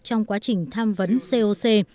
trong quá trình tham vấn coc